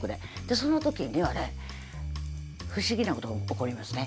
その時にはね不思議なことが起こりますね。